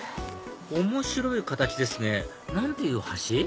面白い形ですね何ていう橋？